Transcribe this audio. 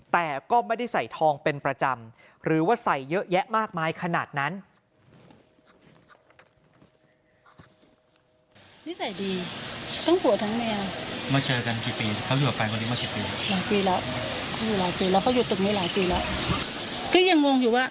แต่ก็ไม่ได้ใส่ทองเป็นประจำหรือว่าใส่เยอะแยะมากมายขนาดนั้น